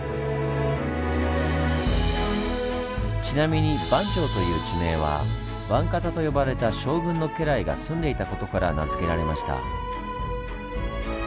ちなみに「番町」という地名は番方と呼ばれた将軍の家来が住んでいたことから名付けられました。